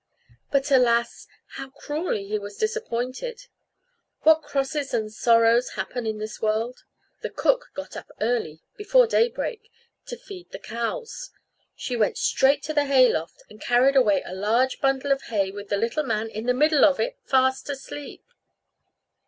But, alas! how cruelly was he disappointed! what crosses and sorrows happen in this world! The cook got up early, before daybreak, to feed the cows: she went straight to the hay loft, and carried away a large bundle of hay with the little man in the middle of it fast asleep.